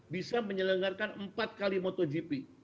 bisa menyelenggarkan empat kali motogp